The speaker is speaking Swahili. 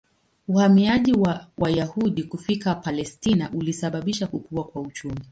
Uhamiaji wa Wayahudi kufika Palestina ulisababisha kukua kwa uchumi.